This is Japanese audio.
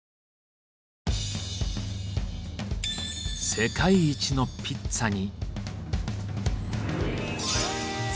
世界一のピッツァに。